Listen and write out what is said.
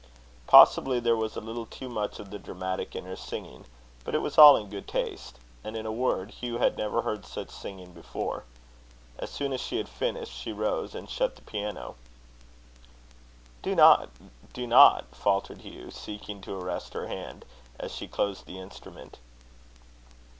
Possibly there was a little too much of the dramatic in her singing, but it was all in good taste; and, in a word, Hugh had never heard such singing before. As soon as she had finished, she rose, and shut the piano. "Do not, do not," faltered Hugh, seeking to arrest her hand, as she closed the instrument.